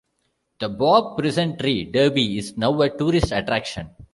The Boab Prison Tree, Derby is now a tourist attraction.